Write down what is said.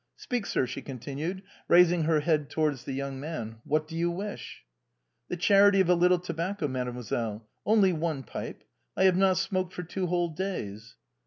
Speak, sir," she continued, rais ing her head towards the young man, " what do you wish ?"" The charity of a little tobacco, mademoiselle ; only one pipe. I have not smoked for two whole days."